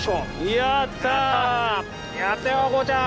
やった！